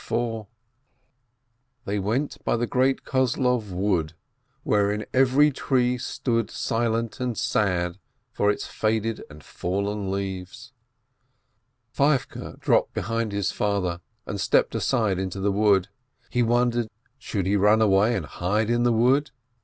548 BERKOWITZ They wenf by the great Kozlov wood, wherein every tree stood silent and sad for its faded and fallen leaves. Feivke dropped behind his father, and stepped aside into the wood. He wondered : Should he run away and hide in the wood ?